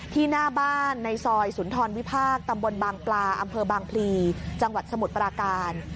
หน้าบ้านในซอยสุนทรวิพากษ์ตำบลบางปลาอำเภอบางพลีจังหวัดสมุทรปราการ